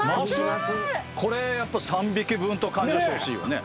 これやっぱ３匹分と勘定してほしいよね。